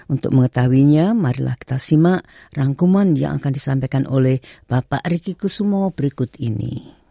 untuk mengetahuinya marilah kita simak rangkuman yang akan disampaikan oleh bapak riki kusumo berikut ini